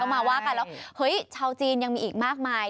มาว่ากันแล้วเฮ้ยชาวจีนยังมีอีกมากมาย